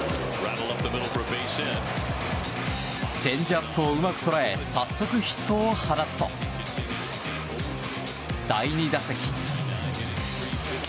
チェンジアップをうまく捉え早速ヒットを放つと第２打席。